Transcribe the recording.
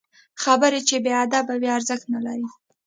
خبرې چې بې ادبه وي، ارزښت نلري